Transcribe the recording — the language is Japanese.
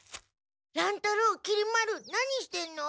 乱太郎きり丸何してんの？